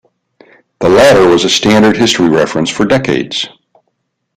The latter was a standard history reference for decades.